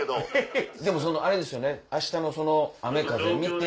でもそのあれですよね明日の雨風見て。